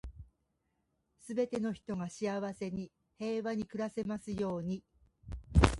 全ての人が幸せに、平和に暮らせますように。